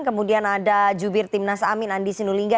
kemudian ada jubir timnas amin andi sinulinga